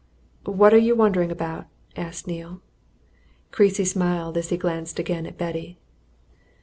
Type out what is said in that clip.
"What are you wondering about?" asked Neale. Creasy smiled as he glanced again at Betty.